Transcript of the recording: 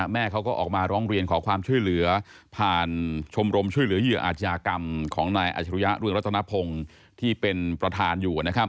แม่เขาก็ออกมาร้องเรียนขอความช่วยเหลือผ่านชมรมช่วยเหลือเหยื่ออาชญากรรมของนายอาชรุยะเรืองรัตนพงศ์ที่เป็นประธานอยู่